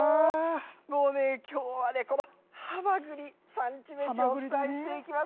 もうね、きょうはね、このはまぐり、産地めしをお伝えしていきます。